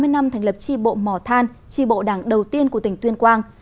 tám mươi năm thành lập tri bộ mò than tri bộ đảng đầu tiên của tỉnh tuyên quang